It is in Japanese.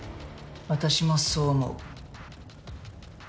私もそう思う。